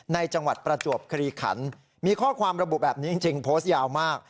จังหวัดประจวบคลีขันมีข้อความระบุแบบนี้จริงโพสต์ยาวมาก